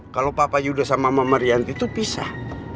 kalau papa yudha sama mama marianti itu pisah